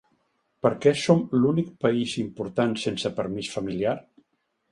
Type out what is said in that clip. Per què som l’únic país important sense permís familiar?